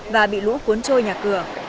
và bị lũ cuốn trôi nhà cửa